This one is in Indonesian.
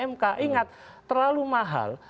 mk ingat terlalu mahal